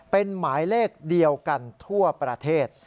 เป็นหมายเลขเดียวกันทั่วประเทศ